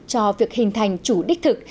cho việc hình thành chủ đích thực